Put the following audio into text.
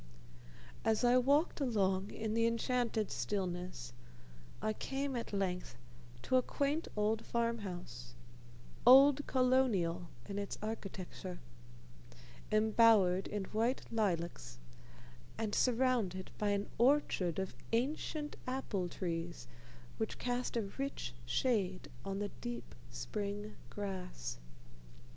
As I walked along in the enchanted stillness, I came at length to a quaint old farm house "old Colonial" in its architecture embowered in white lilacs, and surrounded by an orchard of ancient apple trees which cast a rich shade on the deep spring grass.